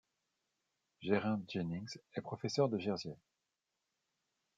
Geraint Jennings est professeur de jersiais.